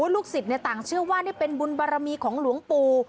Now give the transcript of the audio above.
ลูกศิษย์ต่างเชื่อว่านี่เป็นบุญบารมีของหลวงปู่